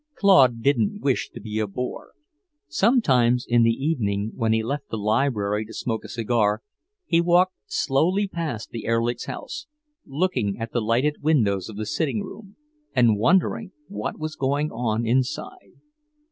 Claude didn't wish to be a bore. Sometimes in the evening, when he left the Library to smoke a cigar, he walked slowly past the Erlichs' house, looking at the lighted windows of the sitting room and wondering what was going on inside.